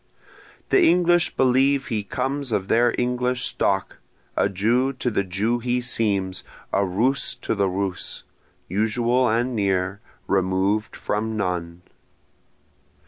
The English believe he comes of their English stock, A Jew to the Jew he seems, a Russ to the Russ, usual and near, removed from none.